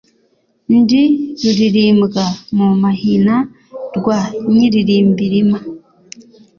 Ndi rulirimbwa mu mahina rwa Nyilimbirima.